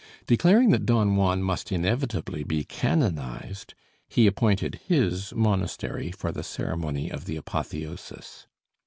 Declaring that Don Juan must inevitably be canonized, he appointed his monastery for the ceremony of the apotheosis.